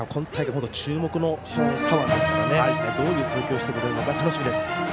本当に注目の左腕ですからどういう投球をしてくれるのか楽しみです。